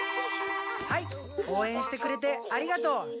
はい応援してくれてありがとう。